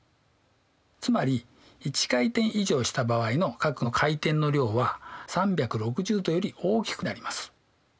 つまり１回転以上した場合の角の回転の量は３６０°より大きくなります。